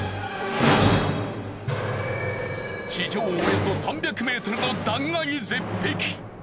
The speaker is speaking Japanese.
地上およそ３００ｍの断崖絶壁。